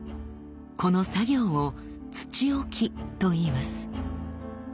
この作業を土置きといいます。